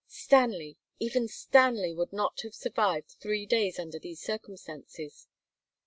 "Stanley even Stanley would not have survived three days under these circumstances."